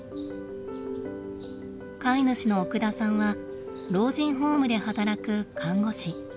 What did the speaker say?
飼い主の奥田さんは老人ホームで働く看護師。